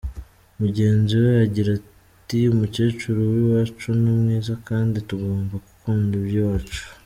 Mugenzi we agira ati “Umuceri w’iwacu ni mwiza kandi tugomba gukunda iby’iwacu.